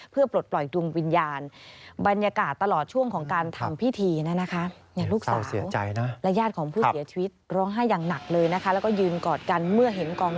เพื่อปลดปล่อยดวงวิญญาณ